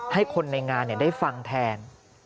ให้คนในงานได้ฟังแทน